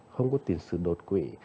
không có tiền sử đột quỵ